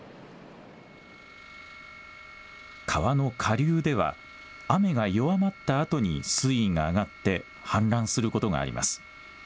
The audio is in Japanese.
川の下流では雨が弱まったあとに水位が上がって氾濫することがあります。